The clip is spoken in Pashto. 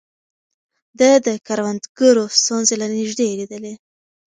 ده د کروندګرو ستونزې له نږدې ليدلې.